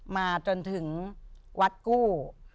มาจนถึงวัดกู้